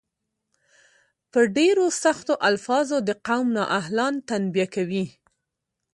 په ډیرو سختو الفاظو د قوم نا اهلان تنبیه کوي.